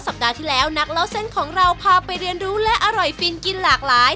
สัปดาห์ที่แล้วนักเล่าเส้นของเราพาไปเรียนรู้และอร่อยฟินกินหลากหลาย